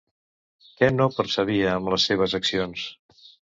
Què no percebia amb les seves accions?